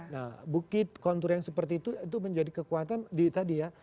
nah bukit kontur yang seperti itu itu menjadi kekuatan di tadi ya